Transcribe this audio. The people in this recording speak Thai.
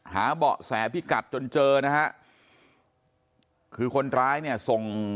เบาะแสพิกัดจนเจอนะฮะคือคนร้ายเนี่ยส่ง